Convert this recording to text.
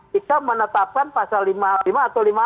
kita menetapkan pasal lima puluh lima atau lima puluh enam